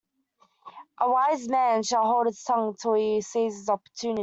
A wise man shall hold his tongue till he sees his opportunity.